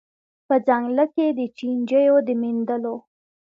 په ځنګله کي د چینجیو د میندلو